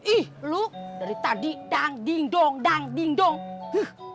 ih lo dari tadi dang ding dong dang ding dong